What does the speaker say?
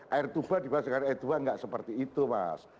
air tuba dibalas dengan air tua tidak seperti itu mas